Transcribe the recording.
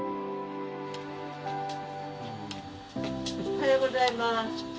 おはようございます。